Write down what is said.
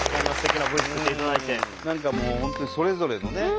何かもう本当にそれぞれのね